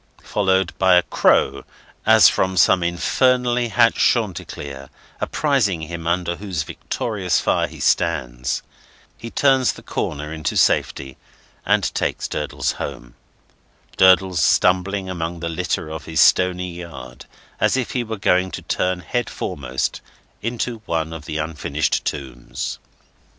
followed by a crow, as from some infernally hatched Chanticleer, apprising him under whose victorious fire he stands, he turns the corner into safety, and takes Durdles home: Durdles stumbling among the litter of his stony yard as if he were going to turn head foremost into one of the unfinished tombs.